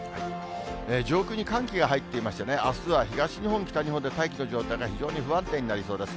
上空に寒気が入っていましてね、あすは東日本、北日本で大気の状態が非常に不安定になりそうです。